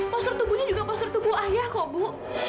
poster tubuhnya juga poster tubuh ayah kok bu